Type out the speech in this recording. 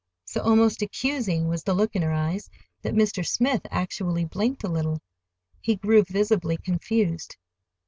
So almost accusing was the look in her eyes that Mr. Smith actually blinked a little. He grew visibly confused.